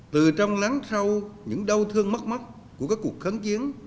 từ trong lắng sâu những đau thương mất mắt của các cuộc kháng chiến